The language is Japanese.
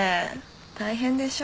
大変でしょ？